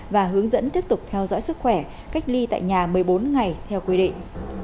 và hướng dẫn tiếp tục theo dõi sức khỏe cách ly tại nhà một mươi bốn ngày theo quy định